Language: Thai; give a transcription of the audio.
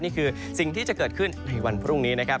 นี่คือสิ่งที่จะเกิดขึ้นในวันพรุ่งนี้นะครับ